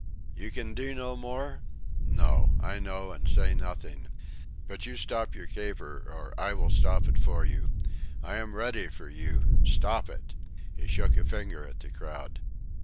"You can do no more? No, I know, and say nothing. But you stop your caper or I will stop it for you. I am ready for you! Stop it!" He shook a finger at the crowd.